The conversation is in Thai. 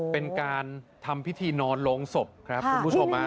เป็นการทำพิธีนอนลงศพครับคุณผู้ชม